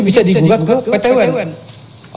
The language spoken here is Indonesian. bisa digugat ke ptwn